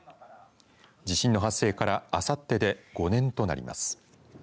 地震の発生からあさってで５年となります。